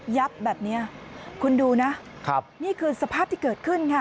ยับแบบนี้